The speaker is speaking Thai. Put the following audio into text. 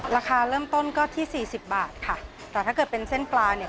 ราคาเริ่มต้นก็ที่สี่สิบบาทค่ะแต่ถ้าเกิดเป็นเส้นปลาเนี่ย